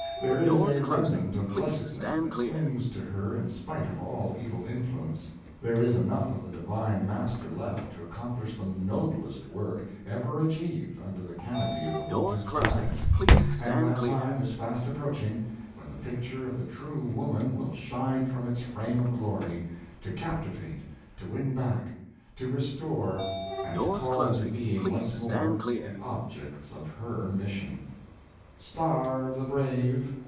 There is a remnant of blessedness that clings to her in spite of all evil influence, there is enough of the Divine Master left to accomplish the noblest work ever achieved under the canopy of the vaulted skies; and that time is fast approaching, when the picture of the true woman will shine from its frame of glory, to captivate, to win back, to restore, and to call into being once more, the object of her mission. Star of the brave!